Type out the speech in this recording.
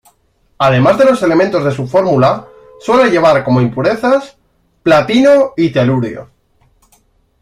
Además de los elementos de su fórmula, suele llevar como impurezas: platino y telurio.